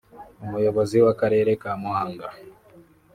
umuyobozi w’akarere ka Muhanga